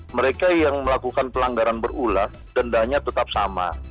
mereka yang melakukan pelanggaran berulah dendanya tetap sama